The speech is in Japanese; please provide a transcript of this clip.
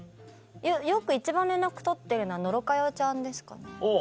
よく一番連絡取ってるのは野呂佳代ちゃんですかね。